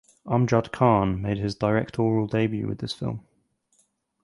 Amjad Khan made his directorial debut with this film.